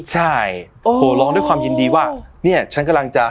ใช่โอ้โหร้องด้วยความยินดีว่าเนี่ยฉันกำลังจะ